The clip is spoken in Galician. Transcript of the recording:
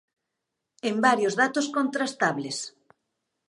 En varios datos contrastables.